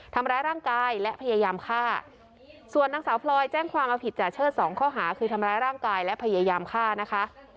ทำร้ายร่างกายและพยายามฆ่าส่วนนางสาวพลอยแจ้งความเอาผิดจ่าเชิดสองข้อหาคือทำร้ายร่างกายและพยายามฆ่านะคะ